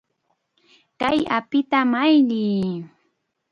¡Kay apita malliy!